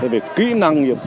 về kỹ năng nghiệp